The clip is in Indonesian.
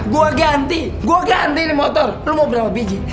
gua ganti gua ganti nih motor lu mau berapa biji